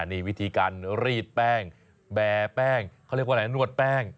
นี่วิธีการรีดแป้งแบร์แป้งเขาเรียกว่าอะไรนวดแป้ง